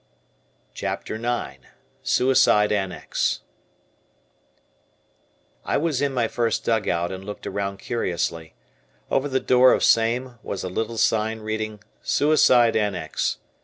CHAPTER IX SUICIDE ANNEX I was in my first dugout and looked around curiously. Over the door of same was a little sign reading, "Suicide Annex."